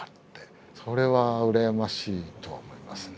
それは羨ましいと思いますね。